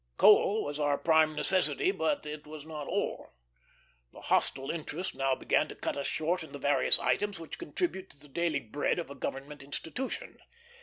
Coal was our prime necessity, but it was not all. The hostile interest now began to cut us short in the various items which contribute to the daily bread of a government institution.